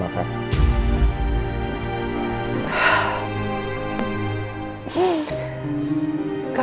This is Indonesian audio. mama jangan lupa makan